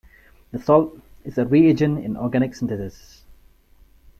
The salt is a reagent in organic synthesis.